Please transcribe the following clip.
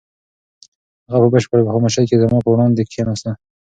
هغه په بشپړه خاموشۍ کې زما په وړاندې کښېناسته.